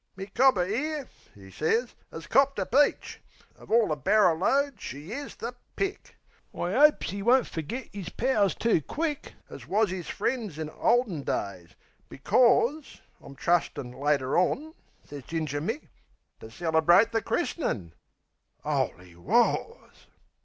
"My cobber 'ere," 'e sez, "'as copped a peach! Of orl the barrer load she is the pick! I 'opes 'e won't fergit 'is pals too quick As wus 'is frien's in olden days, becors, I'm trustin', later on," sez Ginger Mick, "To celebrate the chris'nin'."...'Oly wars!